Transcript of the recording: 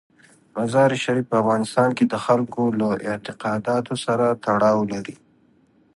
مزارشریف په افغانستان کې د خلکو له اعتقاداتو سره تړاو لري.